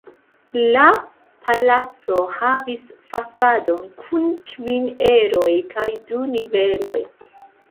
La palaco havis fasadon kun kvin eroj kaj du niveloj.